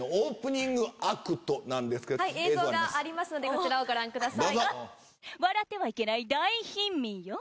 映像がありますのでこちらをご覧ください。